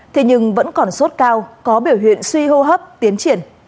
thế nhưng vẫn còn sốt cao có biểu hiện suy hô hấp tiến triển